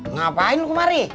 ngapain lu kemari